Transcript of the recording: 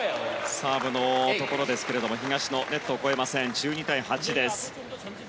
サーブのところですが東野ネットを越えませんでした。